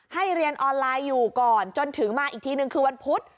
เรียนออนไลน์อยู่ก่อนจนถึงมาอีกทีนึงคือวันพุธ